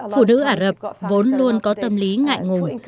phụ nữ ả rập vốn luôn có tâm lý ngại ngùng